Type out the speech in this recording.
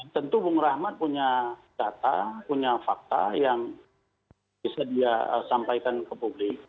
tentu bung rahmat punya data punya fakta yang bisa dia sampaikan ke publik